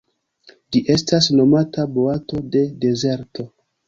Ĝi estas nomata boato de dezerto.